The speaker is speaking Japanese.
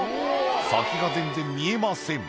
先が全然見えません。